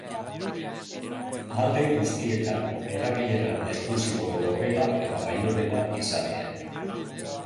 Ahal den guztietan, erabilera esklusiboko logela eta bainugela izatea.